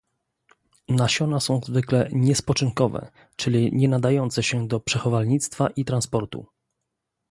Nasiona są zwykle niespoczynkowe, czyli nienadające się do przechowalnictwa i transportu